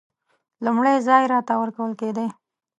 لومړی ځای راته ورکول کېدی.